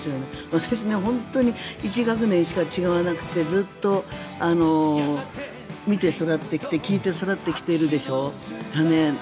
私は１学年しか違わなくてずっと見て育ってきて聴いて育ってきているでしょ。